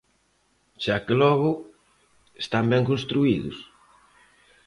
Xa que logo: están ben construídos?